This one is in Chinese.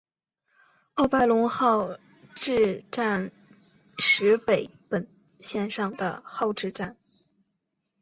奥白泷号志站石北本线上的号志站。